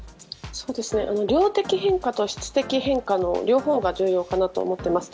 量的変化と質的変化の両方が重要かなと思ってます。